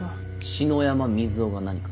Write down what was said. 「篠山瑞生」が何か？